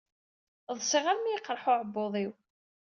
Ḍsiɣ armi y-iqerreḥ uɛebbuḍ-iw.